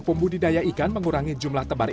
pembudidaya ikan mengurangi jumlah tebar